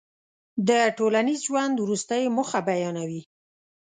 د ټولنیز ژوند وروستۍ موخه بیانوي.